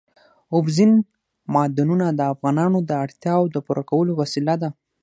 اوبزین معدنونه د افغانانو د اړتیاوو د پوره کولو وسیله ده.